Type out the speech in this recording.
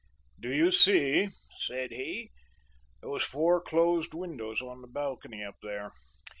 "Do you see," said he, "those four closed windows on the balcony up there?